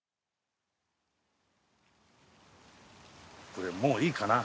これもういいかな？